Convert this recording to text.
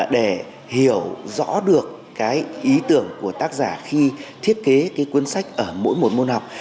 để hiểu rõ được cái ý tưởng của tác giả khi thiết kế cái cuốn sách ở mỗi một môn học